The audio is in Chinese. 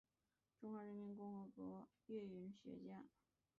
中华人民共和国音韵学家。